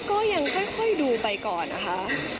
ก็ยังค่อยดูไปก่อนนะคะ